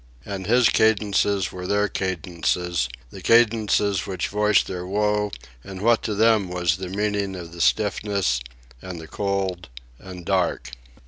And his cadences were their cadences, the cadences which voiced their woe and what to them was the meaning of the stiffness, and the cold, and dark.